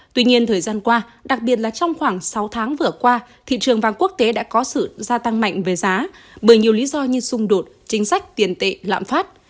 tuy nhiên thời gian qua đặc biệt là trong khoảng sáu tháng vừa qua thị trường vàng quốc tế đã có sự gia tăng mạnh về giá bởi nhiều lý do như xung đột chính sách tiền tệ lạm phát